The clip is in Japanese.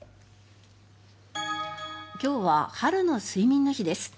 今日は春の睡眠の日です。